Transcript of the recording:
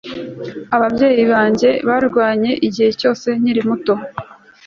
Ababyeyi banjye barwanye igihe cyose nkiri umwana